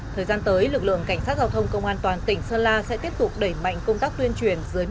thời gian tới lực lượng cảnh sát giao thông công an toàn tỉnh sơn la sẽ tiếp tục đẩy mạnh công tác tuyên truyền